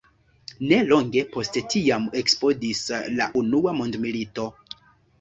Nelonge post tiam eksplodis la unua mondmilito.